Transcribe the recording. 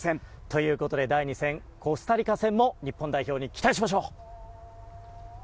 ということで第２戦のコスタリカ戦も日本代表に期待しましょう。